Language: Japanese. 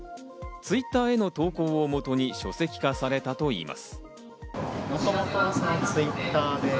Ｔｗｉｔｔｅｒへの投稿をもとに書籍化されたといいます。